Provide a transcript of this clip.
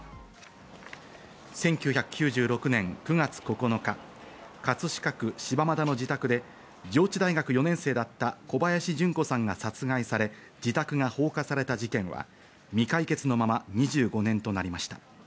１９９６年９月９日、葛飾区柴又の自宅で上智大学４年生だった小林順子さんが殺害され、自宅が放火された事件は未解決のまま２５年となりました。